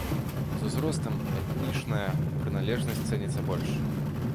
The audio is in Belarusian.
З узростам этнічная прыналежнасць цэніцца больш.